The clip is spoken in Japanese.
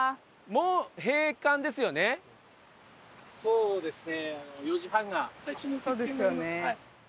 そうですね。